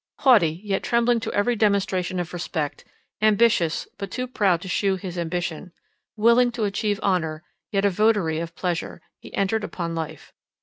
Haughty, yet trembling to every demonstration of respect; ambitious, but too proud to shew his ambition; willing to achieve honour, yet a votary of pleasure,— he entered upon life.